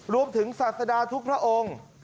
รวมถึงศาสดาทุกพระองค์